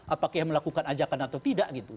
apakah melakukan ajakan atau tidak gitu